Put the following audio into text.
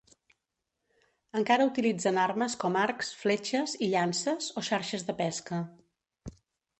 Encara utilitzen armes com arcs, fletxes i llances o xarxes de pesca.